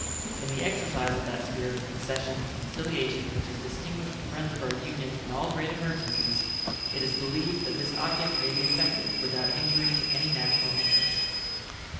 In the exercise of that spirit of concession and conciliation which has distinguished the friends of our Union in all great emergencies, it is believed that this object may be effected without injury to any national interest.